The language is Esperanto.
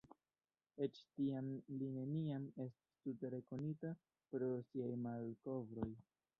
Eĉ tiam li neniam estis tute rekonita pro siaj malkovroj.